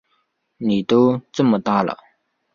妳都这么大了